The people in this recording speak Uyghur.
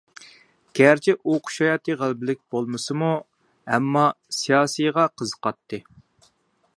گەرچە ئوقۇش ھاياتى غەلىبىلىك بولمىسىمۇ، ئەمما سىياسىيغا قىزىقاتتى.